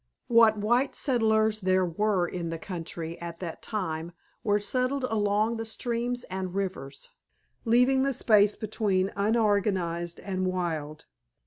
What white settlers there were in the country at that time were settled along the streams and rivers, leaving the space between unorganized and wild.